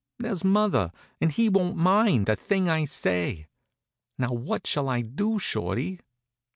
There's mother. And he won't mind a thing I say. Now what shall I do, Shorty?"